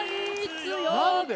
何で？